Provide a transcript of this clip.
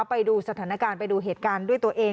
ไปดูสถานการณ์ไปดูเหตุการณ์ด้วยตัวเอง